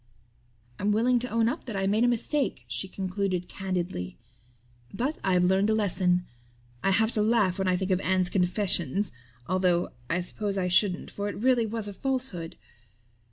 "I'm willing to own up that I made a mistake," she concluded candidly, "but I've learned a lesson. I have to laugh when I think of Anne's 'confession,' although I suppose I shouldn't for it really was a falsehood.